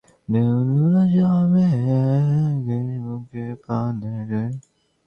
ওরা তাকে মেরে ফেলবে।